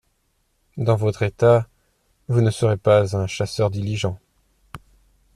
Dans votre état !… vous ne serez pas un chasseur diligent.